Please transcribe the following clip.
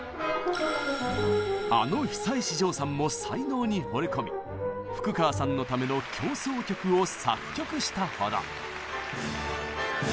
あの久石譲さんも才能にほれ込み福川さんのための協奏曲を作曲したほど。